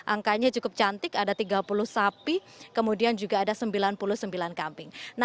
angkanya cukup cantik ada tiga puluh sapi kemudian juga ada sembilan puluh sembilan kambing